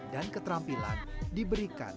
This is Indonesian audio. dan keterampilan diberikan